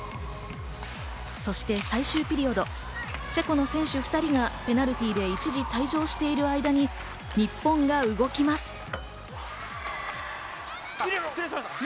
そして最終ピリオド、チェコの選手２人がペナルティーで一時退場している間に日本が動きます。